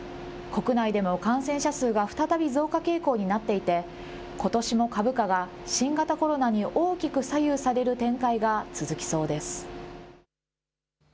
国内での感染者数が再び増加傾向になっていてことしも株価が新型コロナに大きく左右される展開が続きそうです。